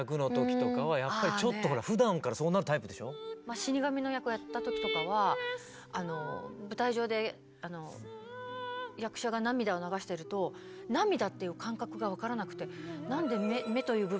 死神の役やった時とかは舞台上で役者が涙を流してると涙っていう感覚が分からなくて死神じゃないですか！